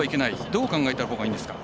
どう考えたほうがいいんですか？